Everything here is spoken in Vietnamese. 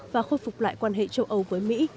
và khôi phục lại quan hệ châu âu với mỹ